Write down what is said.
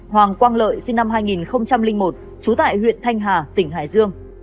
hoàng quang lợi sinh năm hai nghìn một trú tại huyện thanh hà tỉnh hải dương